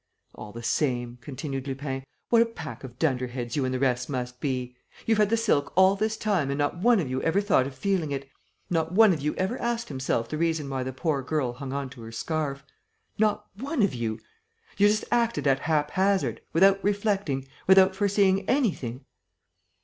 "All the same," continued Lupin, "what a pack of dunderheads you and the rest must be! You've had the silk all this time and not one of you ever thought of feeling it, not one of you ever asked himself the reason why the poor girl hung on to her scarf. Not one of you! You just acted at haphazard, without reflecting, without foreseeing anything...."